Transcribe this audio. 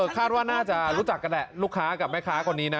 คาดว่าน่าจะรู้จักกันแหละลูกค้ากับแม่ค้าคนนี้นะ